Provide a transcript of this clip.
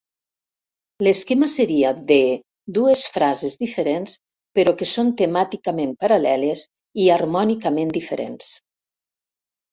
L'esquema seria de dues frases diferents però que són temàticament paral·leles i harmònicament diferents.